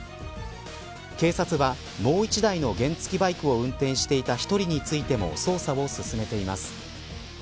警察は、もう１台の原付バイクを運転していた１人についても捜査を進めています。